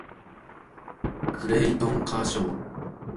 クレイトン・カーショー